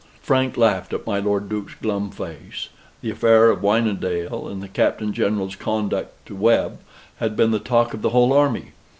Frank laughed at my Lord Duke's glum face: the affair of Wynendael, and the Captain General's conduct to Webb, had been the talk of the whole army.